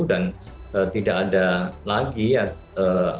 dan tidak ada lagi apa aksi aksi yang kemudian melibatkan dua entusi